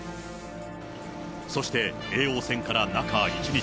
そして叡王戦から中１日。